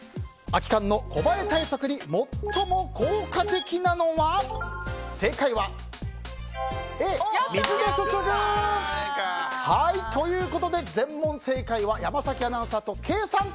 空き缶のコバエ対策に最も効果的なのは正解はＡ、水ですすぐ。ということで、全問正解は山崎アナウンサーとケイさん。